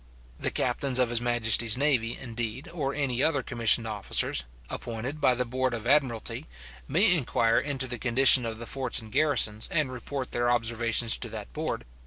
The captains of his majesty's navy, indeed, or any other commissioned officers, appointed by the board of admiralty, may inquire into the condition of the forts and garrisons, and report their observations to that board.